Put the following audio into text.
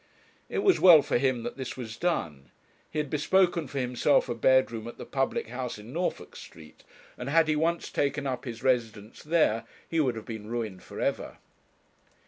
It was well for him that this was done. He had bespoken for himself a bedroom at the public house in Norfolk Street, and had he once taken up his residence there he would have been ruined for ever.